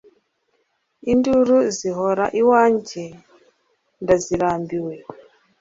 induru zihora iwange ndazirambiwe